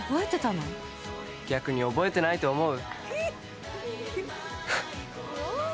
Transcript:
逆に覚えてないと思う？